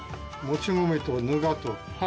もち米とぬかと。